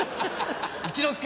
一之輔。